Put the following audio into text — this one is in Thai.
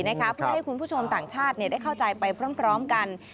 เพื่อให้คุณผู้ชมต่างชาติได้เข้าใจไปพร้อมกัน